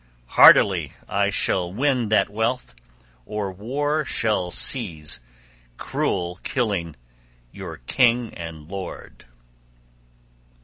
Hardily I shall win that wealth, or war shall seize, cruel killing, your king and lord!"